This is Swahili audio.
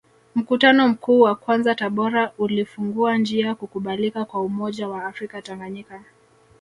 Mkutano Mkuu wa kwanza Tabora ulifungua njia kukubalika kwa umoja wa afrika Tanganyika